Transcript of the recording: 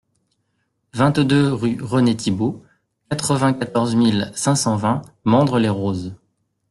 vingt-deux rue René Thibault, quatre-vingt-quatorze mille cinq cent vingt Mandres-les-Roses